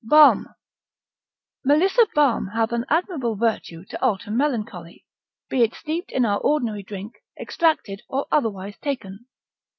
Balm.] Melissa balm hath an admirable virtue to alter melancholy, be it steeped in our ordinary drink, extracted, or otherwise taken.